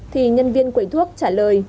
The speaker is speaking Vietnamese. thì nhân viên quẩy thuốc trả lời